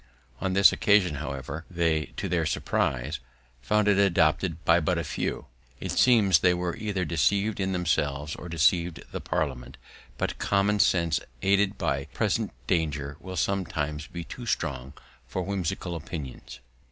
On this occasion, however, they, to their surprise, found it adopted by but a few. It seems they were either deceiv'd in themselves, or deceiv'd the Parliament; but common sense, aided by present danger, will sometimes be too strong for whimsical opinions.